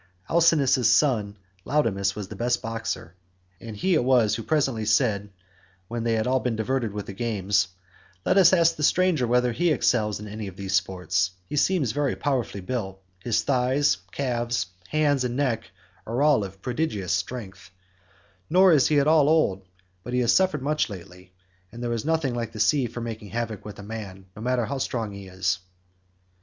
Alcinous's son Laodamas was the best boxer, and he it was who presently said, when they had all been diverted with the games, "Let us ask the stranger whether he excels in any of these sports; he seems very powerfully built; his thighs, calves, hands, and neck are of prodigious strength, nor is he at all old, but he has suffered much lately, and there is nothing like the sea for making havoc with a man, no matter how strong he is."